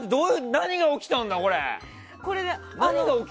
何が起きたんだ？